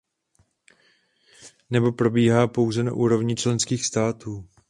Nebo probíhá pouze na úrovni členských států?